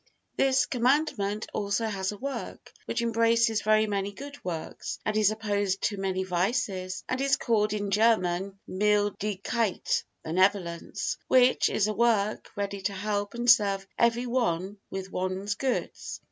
This Commandment also has a work, which embraces very many good works, and is opposed to many vices, and is called in German Mildigkeit, "benevolence;" which is a work ready to help and serve every one with one's goods.